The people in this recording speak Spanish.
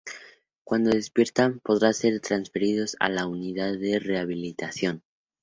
Cuando despiertan, podrán ser transferidos a una unidad de rehabilitación.